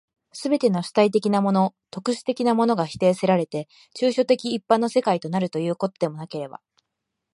すべての主体的なもの、特殊的なものが否定せられて、抽象的一般の世界となるということでもなければ、